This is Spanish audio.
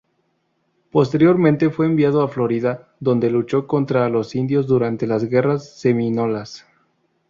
Posteriormente fue enviado a Florida, donde luchó contra los indios durante las guerras Seminolas.